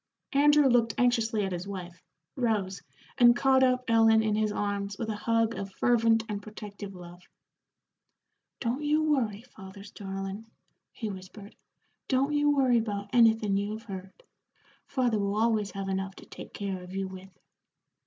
Andrew looked anxiously at his wife, rose, and caught up Ellen in his arms with a hug of fervent and protective love. "Don't you worry, father's darlin'," he whispered. "Don't you worry about anythin' you have heard. Father will always have enough to take care of you with."